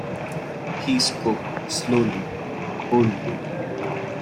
He spoke slowly, coldly.